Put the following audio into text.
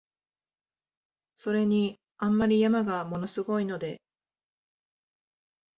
それに、あんまり山が物凄いので、